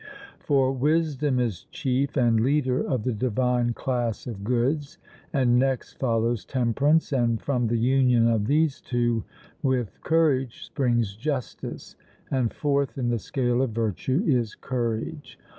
For wisdom is chief and leader of the divine class of goods, and next follows temperance; and from the union of these two with courage springs justice, and fourth in the scale of virtue is courage.